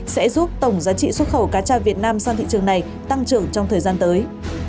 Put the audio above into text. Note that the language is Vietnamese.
sẽ giúp tổng giá trị xuất khẩu cá tra việt nam sang thị trường này tăng trưởng trong thời gian tới